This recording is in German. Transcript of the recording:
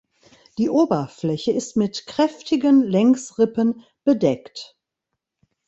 Die Oberfläche ist mit kräftigen Längsrippen bedeckt.